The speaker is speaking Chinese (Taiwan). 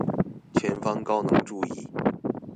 前方高能注意